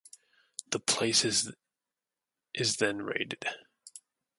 The place is then raided.